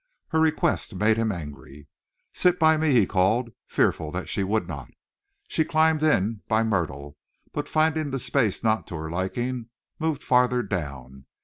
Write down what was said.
Her request made him angry. "Sit by me," he called, fearful that she would not. She climbed in by Myrtle but finding the space not to her liking moved farther down.